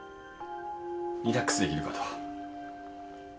リラックスできるかと。